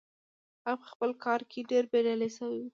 هغه په خپل کار کې ډېر بريالي شوی و.